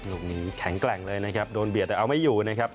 ลูกนี้แข็งแกร่งเลยนะครับโดนเบียดแต่เอาไม่อยู่นะครับ